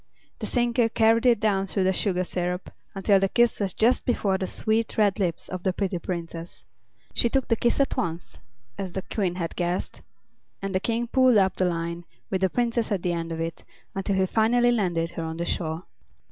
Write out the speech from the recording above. The sinker carried it down through the sugar syrup until the kiss was just before the sweet, red lips of the pretty Princess. She took the kiss at once, as the Queen had guessed, and the King pulled up the line, with the Princess at the end of it, until he finally landed her on the shore.